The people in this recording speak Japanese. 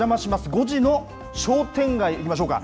５時の商店街、いきましょうか。